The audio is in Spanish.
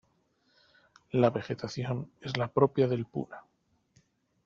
La vegetación es la propia del Puna.